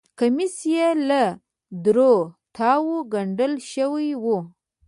کمیس یې له درو تاوو ګنډل شوی و.